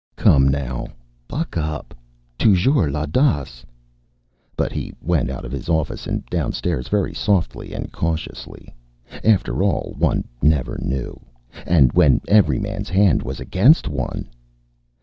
Come, now. Buck up. Toujours l'audace!" But he went out of his office and downstairs very softly and cautiously. After all, one never knew. And when every man's hand was against one....